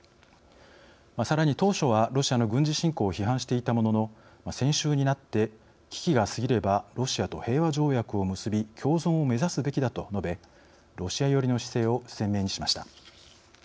さらに当初はロシアの軍事侵攻を批判していたものの先週になって「危機が過ぎればロシアと平和条約を結び共存を目指すべきだ」と述べロシア寄りの姿勢を鮮明にしました。